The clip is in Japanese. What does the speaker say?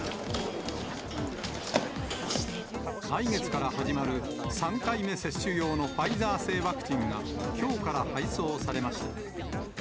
来月から始まる３回目接種用のファイザー製ワクチンが、きょうから配送されました。